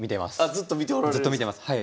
ずっと見てますはい。